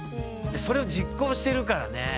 でそれを実行しているからね。